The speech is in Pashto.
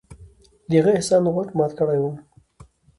د هغه احسان غوټ مات کړى وم.